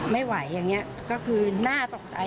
ไม่ไหวอย่างนี้ก็คือน่าตกใจ